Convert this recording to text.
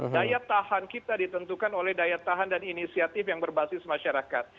daya tahan kita ditentukan oleh daya tahan dan inisiatif yang berbasis masyarakat